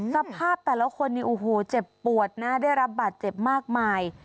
สภาพแต่ละคนนี่โอ้โหเจ็บปวดนะได้รับบาดเจ็บมากมาย